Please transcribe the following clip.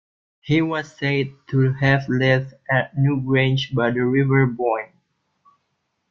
He was said to have lived at Newgrange by the River Boyne.